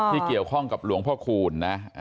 ที่เกี่ยวข้องกับหลวงพ่อคูณนะ